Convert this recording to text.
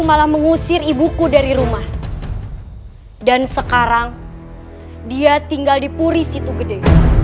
malah mengusir ibuku dari rumah dan sekarang dia tinggal di puris itu gede